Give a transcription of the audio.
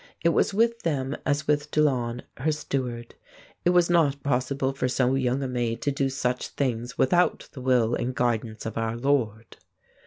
It was with them as with d'Aulon, her steward: "It was not possible for so young a maid to do such things without the will and guidance of our Lord."